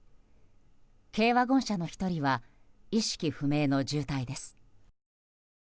軽ワゴン車の１人は意識不明の重体です。